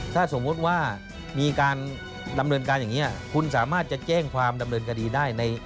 ถ้าสมมุติว่ามีการดำเนินการอย่างนี้คุณสามารถจะแจ้งความดำเนินคดีได้